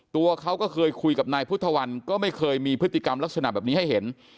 ตัวเขาก็เคยคุยกับนายพุทธวันก็ไม่เคยมีพฤติกรรมลักษณะแบบนี้ให้เห็น